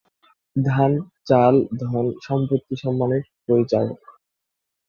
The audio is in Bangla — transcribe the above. ধান-চাল ধন-সম্পত্তি সম্মানের পরিচায়ক।